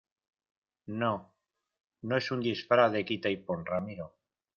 no, no es un disfraz de quita y pon , Ramiro.